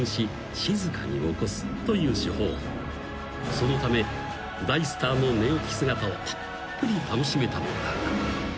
［そのため大スターの寝起き姿をたっぷり楽しめたのだが］